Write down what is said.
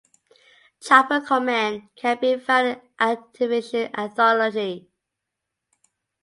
"Chopper Command" can be found on the "Activision Anthology.